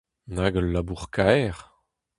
Nag ul labour kaer.